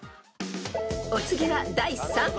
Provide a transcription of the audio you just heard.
［お次は第３問］